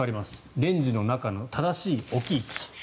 レンジの中の正しい置き位置。